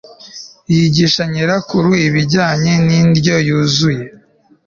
yigisha nyirakuru ibijyanye n'indyo yuzuye